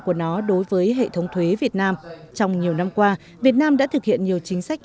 của nó đối với hệ thống thuế việt nam trong nhiều năm qua việt nam đã thực hiện nhiều chính sách